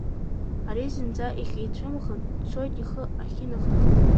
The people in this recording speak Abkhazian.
Ари зынӡа ихицәымӷхан, дцоит ихы ахьынахаз.